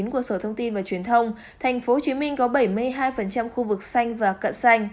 của sở thông tin và truyền thông tp hcm có bảy mươi hai khu vực xanh và cận xanh